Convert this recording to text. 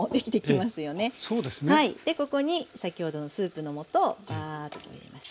はいでここに先ほどのスープのもとをバーッと入れます。